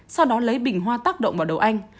sau đó lấy bình hoa tác động vào đầu anh